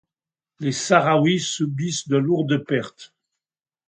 Les sahraouis subissent de lourdes pertes.